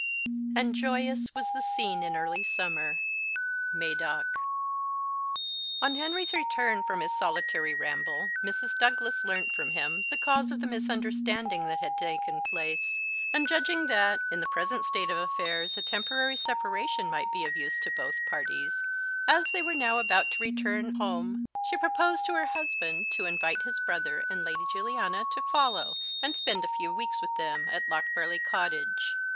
And joyous was the scene in early summer." MADOC. ON Henry's return from his solitary ramble Mrs. Douglas learnt from him the cause of the misunderstanding that had taken place; and judging that, in the present state of affairs, a temporary separation might be of use to both parties, as they were now about to return home she proposed to her husband to invite his brother and Lady Juliana to follow and spend a few weeks with them at Lochmarlie Cottage.